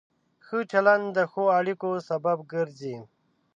ښه چلند د ښو اړیکو سبب ګرځي.